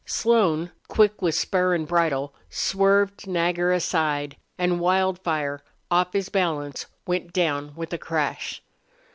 Slone, quick with spur and bridle, swerved Nagger aside and Wildfire, off his balance, went down with a crash.